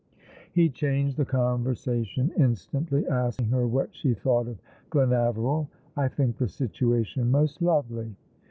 He changed the conversation instantly, asking her what she thought of Glenaveril. " I think the situation most lovely."